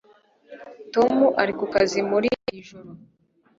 tom ari ku kazi muri iri joro